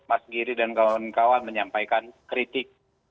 mas giri dan kawan kawan menyampaikan kritik